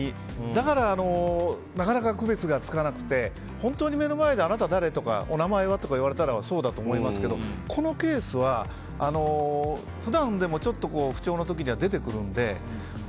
だからなかなか区別がつかなくて本当に目の前であなた誰？とかお名前は？と聞かれたらそうだと思いますけどこのケースは、普段でも不調の時には出てくるので。